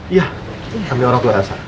iya kami orang tua rasa